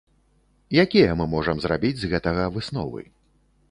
Якія мы можам зрабіць з гэтага высновы?